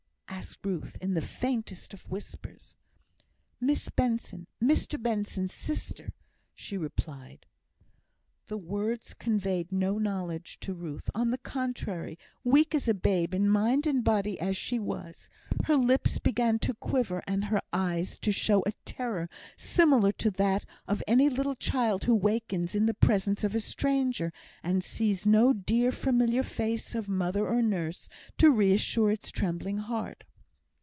asked Ruth, in the faintest of whispers. "Miss Benson Mr Benson's sister," she replied. The words conveyed no knowledge to Ruth; on the contrary, weak as a babe in mind and body as she was, her lips began to quiver, and her eyes to show a terror similar to that of any little child who wakens in the presence of a stranger, and sees no dear, familiar face of mother or nurse to reassure its trembling heart.